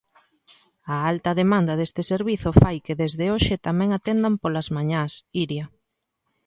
A alta demanda deste servizo fai que desde hoxe tamén atendan polas mañás, Iria.